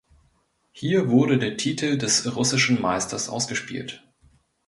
Hier wurde der Titel des russischen Meisters ausgespielt.